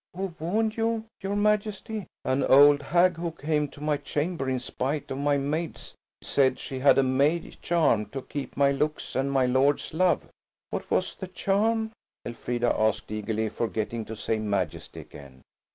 "Who warned you, your Majesty?" "An old hag who came to my chamber in spite of my maids, said she had a May charm to keep my looks and my lord's love." "What was the charm?" Elfrida asked eagerly, forgetting to say "Majesty" again.